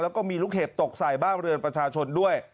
แล้วก็มีลูกเห็บตกใส่บ้านเรือนประชาชนด้วย